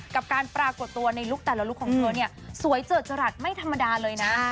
กับการปรากฏตัวในลุคแต่ละลุคของเธอเนี่ยสวยเจิดจรัสไม่ธรรมดาเลยนะ